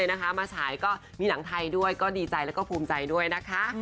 ร้อนเล่น